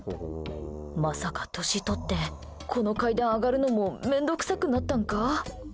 まさか年とってこの階段上がるのも面倒くさくなったんか？